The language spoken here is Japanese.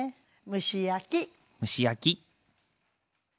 蒸し焼き。